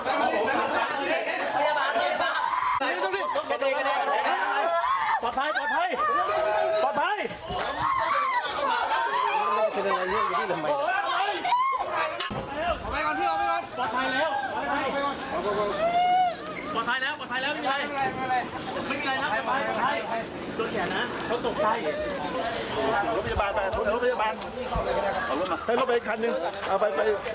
เอาไปแยกกันดีกว่า